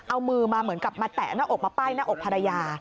เอามือมาเหมือนกับมาแตะหน้าอกมาป้ายหน้าอกภรรยา